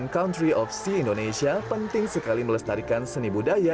country of sea indonesia penting sekali melestarikan seni budaya